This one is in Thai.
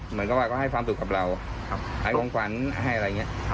เหมือนกับว่าก็ให้ความสุขกับเราให้ของขวัญให้อะไรอย่างนี้